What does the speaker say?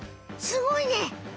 すごいね。